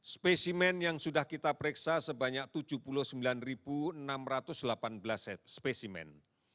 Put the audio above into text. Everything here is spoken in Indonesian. spesimen yang sudah kita periksa sebanyak tujuh puluh sembilan enam ratus delapan belas spesimen